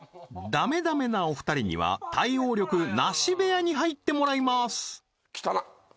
ダメダメなお二人には対応力ナシ部屋に入ってもらいます